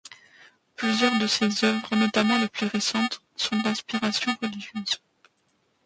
Plusieurs de ses œuvres, notamment les plus récentes, sont d'inspiration religieuse.